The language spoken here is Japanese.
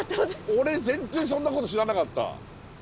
俺全然そんなこと知らなかった。